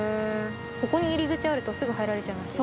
ここに入り口あるとすぐ入られちゃいます。